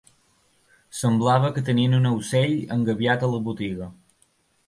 Semblava que tenien un aucell engabiat a la botiga.